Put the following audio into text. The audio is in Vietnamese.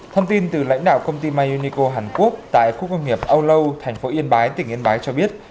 thông tin từ lãnh đạo công ty may unico hàn quốc tại khu công nghiệp âu lâu thành phố yên bái tỉnh yên bái cho biết